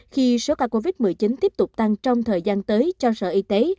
khi số ca covid một mươi chín tiếp tục tăng trong thời gian tới cho sở y tế